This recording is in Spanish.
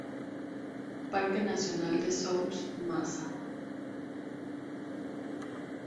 Parque nacional de Souss-Massa